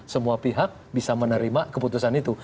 semua pihak bisa menerima keputusan itu